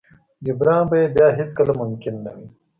جبران به يې بيا هېڅ کله ممکن نه وي.